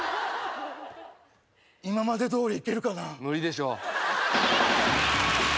今までどおりいけるかな無理でしょう